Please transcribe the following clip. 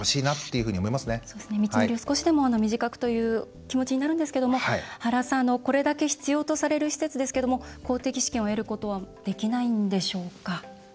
道のりを少しでも短くという気持ちになるんですけども原さん、これだけ必要とされる施設ですけれども公的資金を得ることはできないんでしょうか？